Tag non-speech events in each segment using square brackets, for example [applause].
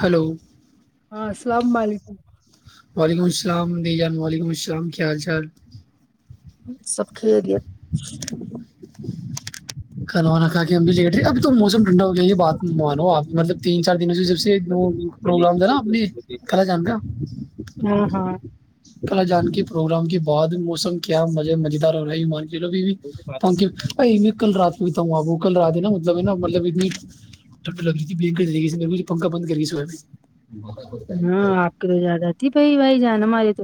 hello ہاں السلام علیکم وعلیکم السلام السلام ع جان و علیکم السلام کیا حال چال سب خیریت کھانا وا نا کھا کے مجھ ابھی تو موسم ٹھنڈا ہو گیا یہ بات مانو آپ مطلب تین چار دنوں سے جب سے پروگرام تھا نا اپنے خا لا جان کا ہاں ہاں خا لا جان کے پروگرام کے بعد موسم کیا مزے مزیدار ہو رہا ہے مان کے چلو بی کی بائی [unintelligible] میں کل رات آ وہ کل رات ھا نا مطلب نا مطلب اتنی ٹھنڈ لگ رہی تھیی پنکھا بند کر کے سوئے ہاں آپ کی تو زیادہ آتی بھائی بائی جانا ہمارے تو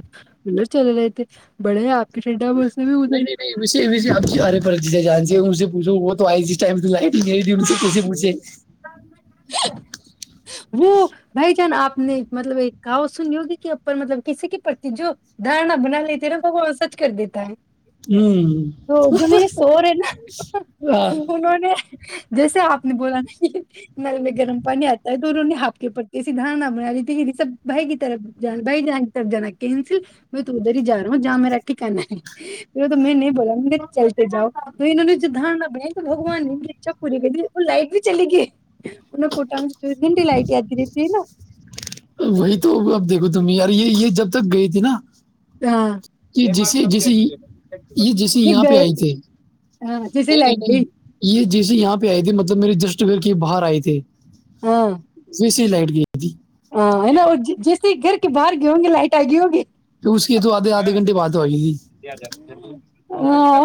مر چل رہے تھے بڑے آپ [unintelligible] موسم ہے نہیں ادھر نہیں نہیں وے وے آب کی آ رہے [unintelligible] جسے جان سے سے پوچھو وہ تو آئے جس ٹائم لائ گری ت ان سے کیسے پوچھے وہ بھائی جان آپ نے مطلب ایک کہاوت سنی ہو گی کے اوپر مطلب کسی کے پرتی جو دھارنا بنا لیتے ہیں نا وہ سچ کر دیتا ہے ہوں تو جو میرے سور ہے نا ہاں انہوں نے [unintelligible] جیسے آپ نے بولا نا کہ نل میں گرم پانی آتا ہے تو انہوں نے آپ کے اوپر کیسی دارنا بنا لی تھی کہ سب بھائی کی طرف بھائی ج کی طرف جانا کینسل میں تو ادھر ہی جا رہا ہوں جہاں میرا ھکانا ہے پ تو میں نہیں بولا مے چلتے جاؤ تو انہوں نے دارنا بنائی تو بگوان نے مجھے چ پوری کہی وہ لائٹ بھی چلی گئی ان کوٹا چوئیس گھنٹی لائٹ آتی دیتیھی نا وہی تو اب دیکھو تم یار یہ یہ جب تو گئی تھی نا یہ جسے ہاں جسے یہ جیسے یہ یہاں پہ گئے آئے تھے ہاں جیسے نہیں نہیں لائٹ گئی نہیں یہ جیسے یہاں پہ آئی تھھی مطب ب میری جسٹ بھر کی باہر آئی تھی [unintelligible] لائٹ گی تھی ہاں ہےا اور جیسے ہی گھر کے باہر گئے ہوں گے لائٹ آئے گئے ہوگے تو اس کے تو آدے آدھے گھنے بعات ہو گئی تھی [unintelligible] ہاں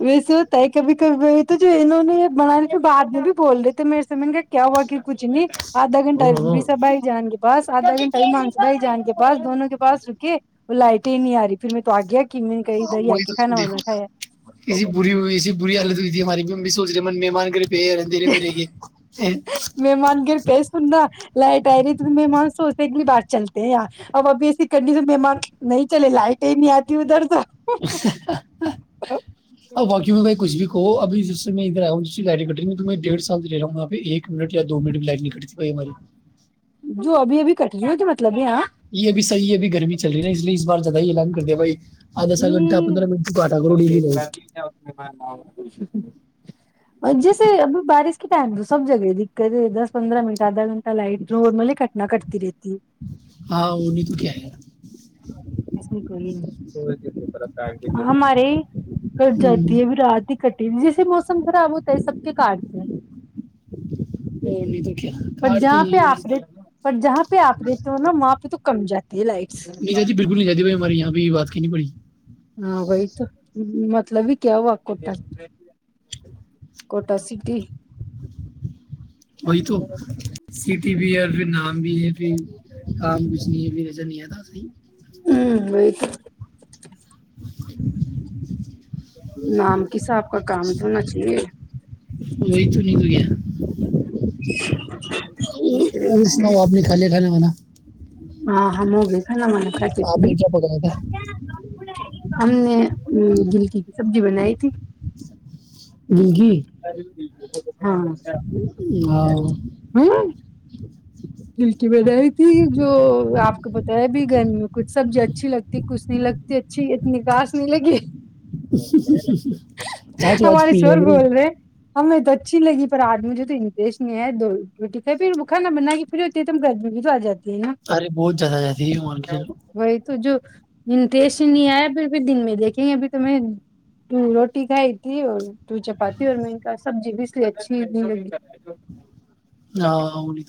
ویسے ہوتا ہے کبھی کبھی تو جو انہوں نے بنانے کے بعد میں بھی بول رہے تھے میرے سےمج گ کیا ہوا کہ کچھ نہیں ادھ گنٹ آ وس بائی جان گ بس آدھا گھنٹہ ہی مانس بھائی جان کے بس دونوں کے پاس رکے وہ لائٹ ہی نہیں آ رہی پھر میں تو آ گیا کہ میں نے کہیں ہاں ادھر ہی آ وہی کے تو کھانا دیکھو وانا کھایا ایسی بری ایسی بری حالت تو تھی ہماری میں سوچے مہمان کر مہمان گھر پئے سننا لائٹ آئی رہی تمہمان سوسے گلی بات چلتے ہیں یار اب ابھی ایسی کنڈیشن مہمان نہیں چلے لائٹیں نہیں آتی ادھر تو اور بااکی میں بھائی کچھ بھی تو ابھی جس سے میں ادھر آ ہوں جس لائن کٹ رہ تو میں ڈڑھ سال رہا ہوں یہاں پہ ایک منٹ یا دو منٹ میں لائٹن نہیں کٹتی ب ہماری جو ابھی ابھی کٹ رہ ہے ہو تو مطلب یہاں یہ ابھی صیح ہےبھی گرمی چل رہی نا اس لیے اس بار زیادہ ہی الان کر دیا بھائی آدھا ا سا گھنٹہ پندرہ منٹ تو کاٹا کرو ڈیلی بہت [unintelligible] جیسے ابھی بارش کے ٹائم تو سب جگہ دقت دس پندرہ منٹ آدھا گھنٹہ لائٹ نورملی کٹنا کٹتی رہتی ہے ہاں وہ نہیں تو کیا ہے اس میں کوئی ہمارے کٹ ہوں، جاتی ہے اب رات ہی کٹی جیسے موسم خراب ہوتا ہے سب کے کاٹ تے ہے اور نہیں تو کیا پر کاٹ تے جہاں ہی پہ ہے آپ رہتے پر جہاں پہ آپ رہتے ہونا وہاں پہ تو کم جاتی ہے لائٹس نہیں جاتی بالکل نہیں جاتی بھائی ہمارے یہاں یہ بات کہنی بڑی ہاں وہی تو مطلب بھی کیا ہوا کوٹا کوٹا سٹی وہئی تو سیٹی بیر پھر نام بھی ہے پھر کام کچ نہیں ہے پھر نظر نہیں آتا صحیح ہوں وہی تو [inaudible] [inaudible] نام کساب وہی تو نکل گیا جسے اور سناؤ آپ نے کالے کھانے والا [unintelligible] [unintelligible] وہ گھل آپ نے کیا پکایا تھا کی کی سبزی بنائی تھی گلکی [inaudible] ہوں ہاں دھلکی میں رہی تھی جو آپ کا میں بھی گرمیوں کچھ سبزی اچھی لگتی ہے کچھ نہیں لگتی اچھی اتنی کھاس نہیں لگی چچ واچ ہمارے پی یا شور کرو بول رہے ہمیں تو اچھی لگی پر آج مجھے تو انترسٹ نہیں ہے دو روٹی پھر بھی کھانا بنا کے [unintelligible] ارے بہت زیادہ جاتی ہے مان کے چلو وہی تو جو انٹریسٹ نہیں آیا پھر بھی دن میں دیکھیں گے ابھی تو میں تو روٹی کھائی تھی اور تو چپاتی اور میں ان کا سبزی بھی اس لیے اچھی نہیں لگی ہاں وہ نہیں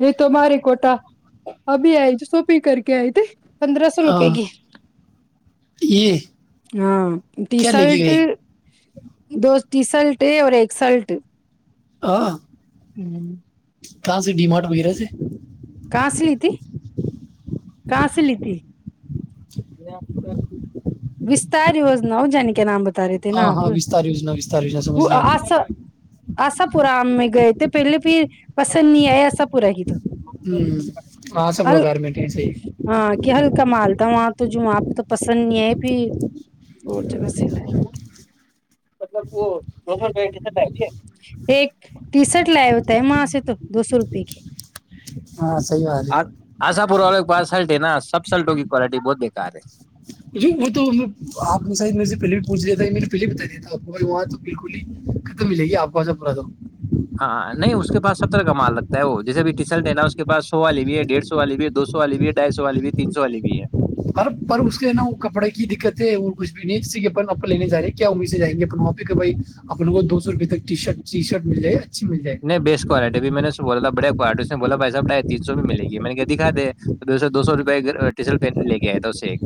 یہ تو مارے کوٹا ابھی آئی جی شوپنگ کر کے آئی تے پندرہ سو تو- روپئے ہاں کی یہ ہاں کیا لے کے ٹیشرٹ گئے دو ٹی شرٹ یہ اور ایک شرٹ ہوں ہاں [unintelligible] کہاں سے ڈیمارٹ وغیرہ سے کا سے لئی تھی کہاں سے لی تھی وستار وجنا ہو جانی کے نام بتا رہے تھے ہاں نا ہاہا آپ ہا ویستا ر یوجنا وستار یوجنا سمجھ گیا آسا پورا آام میں گئے تھے پہلے پھر پسند نہیں آئے آسا پورا کی تو ہوں آ سا پرو ہل گارمٹی ہاں کہ ہلکا مال تھا وہاں تو جو وہاں پہ تو پسند نہیں آیا فر اور جگہ سے لائے ہوگئے ایک ٹی شرٹ لایا ہوتا ہے وہاں سے تو دو سو روپے کی ہاں صحی بات ہے سلٹ ہے نا سب سلٹوں کی کوالٹی بہت بےکار ہے وہ تو آپ نے شاید میرے سے پہلے بھی پوچھ لیا تھا میں نے پہل بھی بتا دیا تھا آپ کو وہاں تو بالکل ہی ختم ملے گی آپ کوسا پا تھا ہاں نہیں اس کے پاس ستر کا مال لگتا ہے وہ جیس بھی ٹیسلٹ ہے نا اس پا سو والی بھی ہے ڈیھ سو والی بھی ہے دو سو والی بھی ہے ڈھائی سو والی بھی ہے تین سو والی بھی ہے ہ پر اس کے نا وہ کپڑے کی دقت ہے وہ کچھ بھی نہیں ج کہ آپ ل لینے جا رہے ہیں کیا امی سے جائیں گے اپنے ماںپی کو بائی اپنے کو دو سو روپے تکٹی ش ٹی شرٹ مل جائے اچھی مل جائے نہیں بیس کوالٹیبھی میں نے بولا تھاڑ کوالٹی اس نے بو بائی صحب تین سو میں مل گی م میں نے کہ دکھا دے سو دو سو روپٹیسل پ لے کے آئے تھا اس سے ایک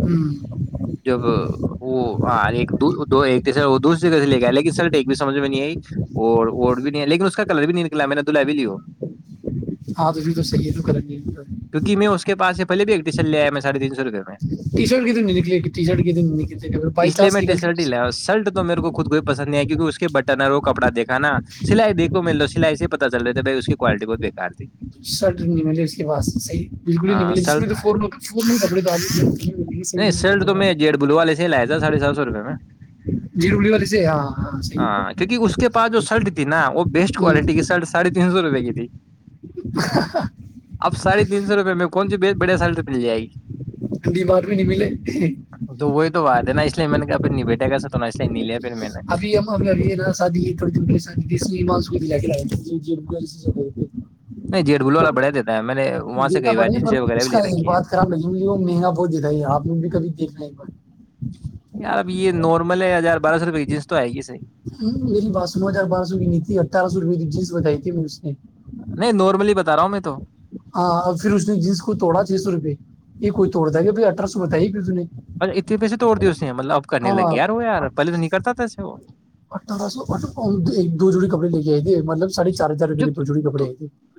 ہوں جب وہ ایکر وہ دوسری جگہ سے لے کے آئے لیکن سر ٹ بھی سمجھ میں نہیں آئی اور اور بھی نہیں ہے لیکن اس کا کلر بھی نہیں نکلا میں نے دلا بھی لو ہاں تو تو صحی ہے کریں گے کیوکی میں اس کے پاس سے پہے بھی ایک چل لے آ ہے میں ساریےن ٹی شرٹ کتھر نہیں نکلی ٹی شرٹ کتن نکلتی بائی اس لیے چانس میں ٹی نکلتی [unintelligible] کی اس کے بن اور وہ کپڑا دھا ک نا سلائی دیکو مل ل [unintelligible] سلائی سے پ چل رہے بائی اس کی کوالٹی بہت بےکا ر تھی سٹ نہیں ملے باس صیح بالکل ہی نہیں ہاں ملے جس شرٹ میںور فور ا دم [unintelligible] نہیں سرٹ تو میں جیڈ بلو والے سے ہی لایا تھا ساڑھے سات سو روپئے میں جی ڈبلی والے سے ہاں صحیح ہاں کیونکہ اس کے پاس جو سرٹ تھی نا وہ بیسٹ کوالٹی کی سرٹ ساڑی تین سو روپئے کی تھی [inaudible] اب ساڑے تین سو روپئے میں کون سی بیچ بڑیا ساریے تو مل جائے گی بیمار بھی نہیں ملے د ن اسلے ان کےےپ نبٹیک گ س تو نالے نلے ابھی ہم ابھی نا سادیوڑی جا کے ج جب کر س سک [unintelligible] نہیں جیٹ بلو والا بڑھا دیتا ہے میں نے وہاں سے دیکھنا کئی بار پڑے گا جنس پر وغیرہ اس بھی کا لے ایک رکھی ہیں بات خراب لگی مجھے وہ مہنگا بہت دیتا ہے آپ لوگ بھی کبھی دیکھنا ایک بار یار اب یہ نارمل ہے یار بار سوپ کی جس تو آئےی سر میری باتس نو ہزار بارہ سو کی نہیں تھی اٹھارہ سو روپئے جینس بتائی تھی م میں اس نے نہیں نارملی بتا رہا ہوں میں تو ہاں پھر اس نے جیننس کو توڑا چھ سو روپے یہ کوئی توڑ د تا ہیں کے بھائی اٹھارہ سو بتائیے پھر اس نے ارے اتنے پیسے توڑ دی اسے مطلب اب کرنے ہاں لگے یارو یار پہلے تو نہیں کرتا تھاسے وہ جیی [unintelligible] ج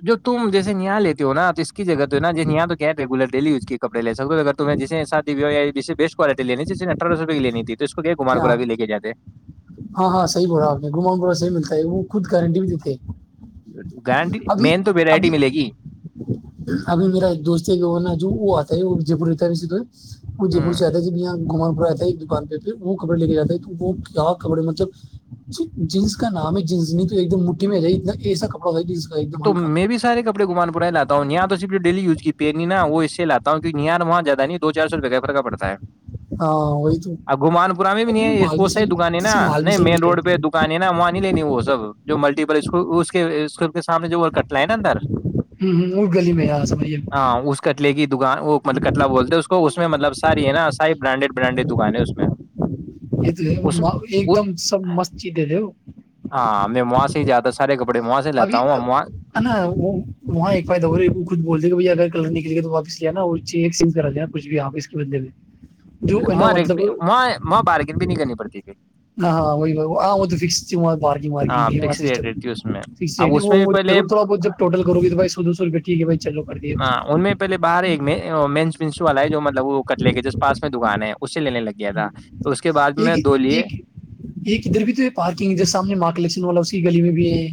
ج تم جیس نیاال لیتی ہو نا اس کی جگہ ہےا ج یہ تو کیایولر ڈی یز کپڑے ستے تو اگر تمہ جس بیٹ کوالٹی لینیھی اٹارہوپ کی لیی تھی تو اس کو کیا گھمان ہاں کرا کے لے کے جاتے ہاں ہاں صحیح بول رہا آپ نے گھما صحیح ملتا ہے وہ خ گارنٹی بھی دیتے گارنٹی ابھی مین تو ویرائٹی ابھی ملے گی ابھی میرا ایک دوست جو وہ نا جو وہ آتا ت جی پور ات ہے بھی س توے ہجے پور ہوں شاد ج بھییا گومن پورے دکان پ وہ کپڑے لے کے جاتا ہے تو وہ کیا کپڑے مطلب جس کا نام ہے جس نہیں تو ایک دم مٹھی میں رہ ایسا کپڑ تو میں بھی سارے کپڑے گمان بن لاتا ہوں یہاں تو صرف ڈیلی یوز کی پینی نا وہ اس سے لاتا ہوں کیہیار وہاں ج زیاہ نہیں دو چار سو روپئے کا فھر کا پڑتا ہے ہاں وہی تو اور گھومان پورا میں بھی نہیں ہے اس مال بھی پ سی صحیح دکان ہے نا ایسے مال بھی نہیں صحیح مین ملتا ہے روڈ پہ دکان ہے نا وہاں نہیں لینی وہ سب جو ملٹیپل اسکول اس کے اسول سامنے جو ہے نا اندر ہوں ہوں، اس گلی میں یہاں سمجھیے ہاں اس کٹلے کی دکان وہ مطلب کتلا بولتے اس کو اس میں مطلب ساری ہے نا ساری برانڈیڈ برانڈیڈ دکان ہے اس میں یہ اس تو ایک وہ- دم سب مست چیز دے دے ہو ہاں ہم میں وہاں سے ہی جاتا سارے کپڑے وہاں سے لاتا ابھی ہوں اور وہاں ہے نا وہ وہاں ایک فائد ہو رہی خود بول د گ بھائی اگر نے کے لیے تو واپس لیاا چ س کرا دینا کچھ بھی آپس کے بندے میں جو ہے نا وہاں مطلب ہاں وہ وہ بارگن بھی نہیں کرنی پڑتی پھر سمت [unintelligible] مارجنگ وارجگ بھی سسٹم میں فس اب اس میں بھی پہلے وہروروڑا بہت جبٹ کرو گی بھائیو دو سوپ [unintelligible] ٹیک ہےائی ہاں ان میں پہل باہر ایک س والا ہے جو مطلب وہ کٹے کے جس پس میں دک ہے اسی ہ لیے ایک ادھر بھی تو ہے پارکنگ ادھر سامنے مارک الیکشن والا اس کی گلی میں بھی ہے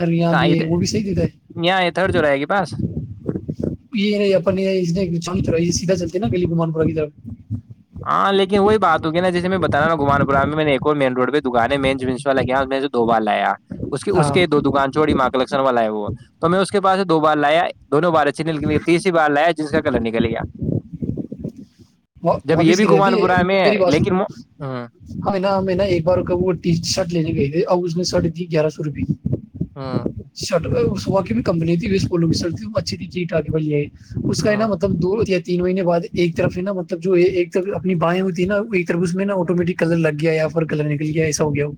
ارے یہاں بھی کہد ہے وہ بھی صحیح دیتا ہے یہاں تھرڈ جو رہ ہے کہ پاس یہ نہیں یہ سیدھا چلتے ہے نا گلیوم پدھر ہاں لیکن وہی بات ہوی نا جیسے میں بتا نا گم پورا میں نے ایک اور مین روڈ پہ دکان ہے مین جوا ل گیا میں سے دو بار لایا اس کے اس ہاں کے دو دکان چوڑی مانگ کشن والا ہے وہ تو میں اس کے پا دو بار لایا دونوں بار اچھی ن تیسری بار لایا جس کا کلر نکلے گیا جب یہ واپس بھی گرے تے گمان پورہ میں ہے میری باتس لیکن ہوں ہ نا نا ایک بار وہ ٹی شرٹ لینے گئی تھی از نے سٹ تھی گیارہ سو روپیئے ہاں [unintelligible] شرٹ سوا کی بھی کمپنی تھی اس پولو کی شرٹ تھی وہ اچھی تھی چیٹ آ کے بول یہ اس کا ہی نا ہوں مطلب د تین مہینے بعد ایک طرف ہے نا مطلب جو ایک طرف اپنی بائیں ہوتی ہے نا اس میں آٹومیٹ کلر لگا گیا یا پھر کلر نکل گیا ایسا ہو گیا وہ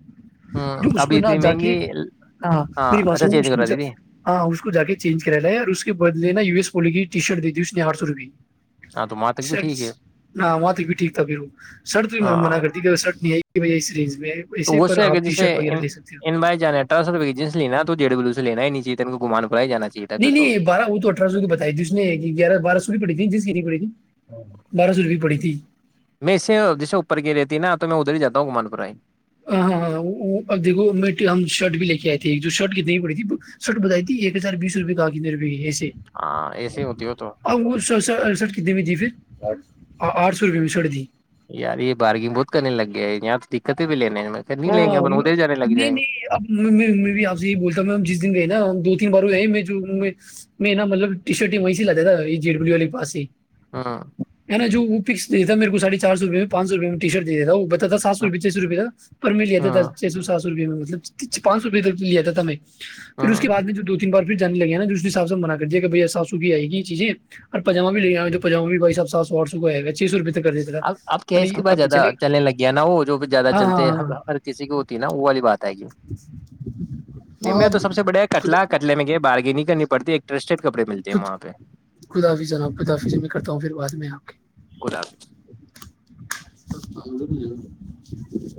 ہوں جو اس کو ابھی نہ اتنی جا کے مہنگی ہ ہاں ہ اچھا اس چینج کو کرا دیدی ہاں اس کو جا کے چینج کرا لیا اور اس کے بدلے نا ی ایس پاللیس ٹی شرٹ دیھی اس نے آٹھ سو روپئے ہاں تو وہاں تک بھی شرٹ ٹھیک ہے نہ وہاں تو بھی ٹھیک تھا پھر وہ شرٹ بھی میں منع ہاں کرتی کہ شرٹ نہیں آئی یہ یہی سریز تو وہ سے اگر جیے ہو ان بائی جانا ہے اٹارہ سو روپے کی جینس لینا تھا تو ڈی ڈبلو سے لین ہے نی ت کو گمان پورہ ہی جانا چاہیے تھا پھر نہیں تو نہیں بارہ وہ تو اٹھہ سو کی بتائی جس نے کہ گیہ بہ سو کی پڑھی تھی جس کی نہیں پڑھی تھی بارہ سو روپئے پڑی تھی میں اسے جسے اوپر کی رہتی نا تو میں ادھر ہی جاتا ہوں گومان پورہ ہی ہاں ہاں ہاں اب دھو ہم شرٹ بھی لے کے آئے تھے جو شرٹ کتنی کی پڑی تھی شرٹ بتائی تھی ایک ہزار بیس روپئے کا کتنے روپئے ای ہاں ایسے ہوتی ہو تو اب وہ سڑسٹ اڑسٹھ کتنے میں تھی پھر آٹھ سو روپے میں چوڑ دی یار یہ بارگنگ بہت کرنے لگ گیا ہے یہاں تو دقتیں پ بھی لینے ہیں میں کہ نہیں لیں گے اپن ادھر جانے لگ نہیں جائیں گے نہیں اب بھی آپ سے یہی بولتا ہوں جس دن گئے نا دو ت بار میں نا مطلب ٹی شرٹ ہی وہیں سے لاتا تھا یہ جیے ڈبلو والے پس ہی ہاں ا نے جو دی تھا میر کو ساڈ ھ چار سوئے پچ سوپ میں ٹی شرٹ دتا تھا وہ بچ تو سو روپ چی روپئے کا [unintelligible] پر مل ہاں جاتا سو سا روپئے میں مطلب پانچ روپئے تک تو لیا تھا میں پھر اس ہاں کے بعد میں جو دو تین بار جے لگے ناس حساب سے منا کرے کہ س سو کی آ گی چیزیں اور پجاما بھی لاما بھیو آٹ سو کائے گ چ سوپئے اب اب کیا ہے اس کے بعد زیادہ چلنے لگ گیا نا وہ جو زیادہ گا ہاں چلتے ہاں ہاں ہیں کسی کی ہوتی نا وہ والی بات ہے نہیں ہاں میں اب تو سب سے بڑے خود کٹلہ کٹلے میں گ بار نہیں کرنی پڑتی ہے ایک رسٹڈ خداف جناب خداف میں کرتا ہوں پھر بعد میں آپ خدا اک [unintelligible] [inaudible] [inaudible]